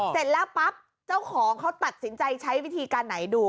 เสร็จแล้วปั๊บเจ้าของเขาตัดสินใจใช้วิธีการไหนดู